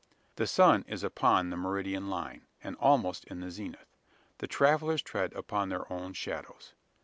The sun is upon the meridian line, and almost in the zenith. The travellers tread upon their own shadows.